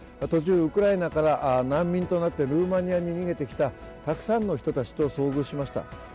途中、ウクライナから難民となってルーマニアに逃げてきたたくさんの人たちと遭遇しました。